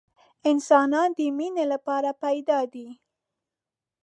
انسانان د مینې لپاره پیدا دي